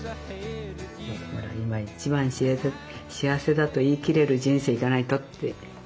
今一番幸せだと言い切れる人生じゃないとって。